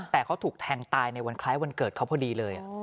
แต่เขาถูกแทงตายในวันคล้ายวันเกิดเขาพอดีเลย